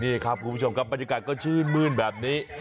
นี่ครับคุณผู้ชมครับบรรยากาศก็ชื่นมื้นแบบนี้